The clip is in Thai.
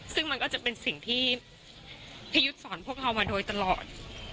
ซึ่งมันก็จะเป็นสิ่งที่พี่ยุทธ์สอนพวกเรามาโดยตลอด